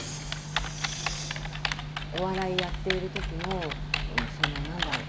お笑いやっているときのその何だろう